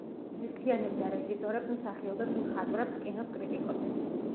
აერთიანებდა რეჟისორებს, მსახიობებს, მხატვრებს, კინოს კრიტიკოსებს.